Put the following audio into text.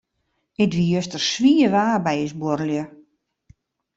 It wie juster swier waar by ús buorlju.